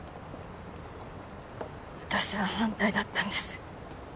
私は反対だったんです。